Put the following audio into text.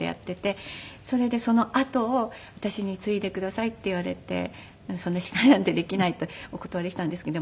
それでそのあとを私に「継いでください」って言われてそんな司会なんてできないとお断りしたんですけど。